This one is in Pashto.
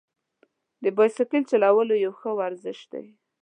د بایسکل چلول یو ښه ورزش دی.